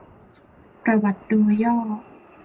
ประวัติโดยย่อ